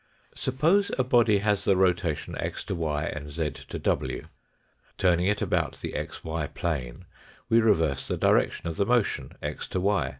Suppose a body has the rotation x to y and to w. Turning it about the xy plane, we reverse the direction of the motion x to y.